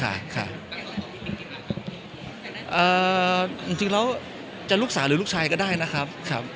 เอ่อจริงเราจะลูกสาวเลยลูกชายก็ได้ครับ